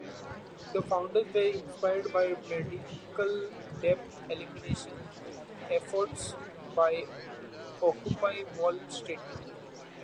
The founders were inspired by medical debt elimination efforts by Occupy Wall Street.